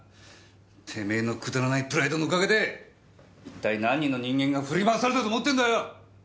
てめえのくだらないプライドのおかげで一体何人の人間が振り回されたと思ってんだよ！